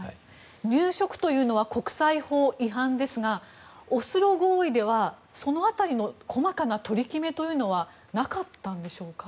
入植というのは国際法違反ですがオスロ合意では、その辺りの細かな取り決めというのはなかったんでしょうか。